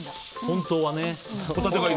本当はね。